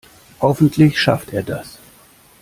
Hoffentlich schafft er das.